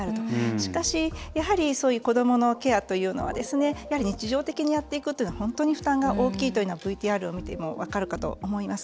しかし、やはり、そういう子どものケアというのは日常的にやっていくというのは本当に負担が大きいというのはＶＴＲを見ても分かるかと思います。